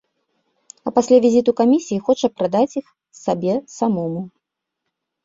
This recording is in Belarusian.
А пасля візіту камісіі хоча прадаць іх сабе самому.